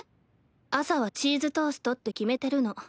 朝はチーズトーストって決めてるの。